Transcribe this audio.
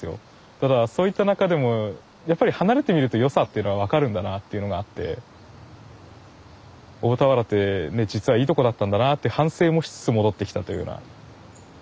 だからそういった中でもやっぱり離れてみると良さっていうのは分かるんだなっていうのがあって大田原ってね実はいいとこだったんだなあって反省もしつつ戻ってきたというような。